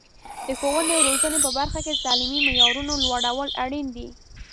د ښوونې او روزنې په برخه کې د تعلیمي معیارونو لوړول اړین دي.